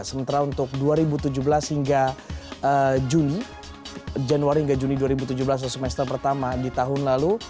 sementara untuk dua ribu tujuh belas hingga juni januari hingga juni dua ribu tujuh belas atau semester pertama di tahun lalu